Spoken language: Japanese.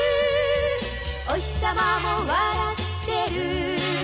「おひさまも笑ってる」